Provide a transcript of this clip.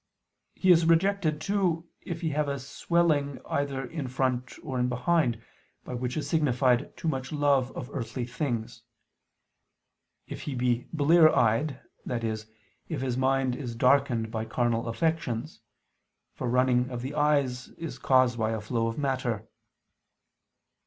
He is rejected, too, if he have a swelling either in front or behind [Vulg.: 'if he be crook backed']: by which is signified too much love of earthly things: if he be blear eyed, i.e. if his mind is darkened by carnal affections: for running of the eyes is caused by a flow of matter.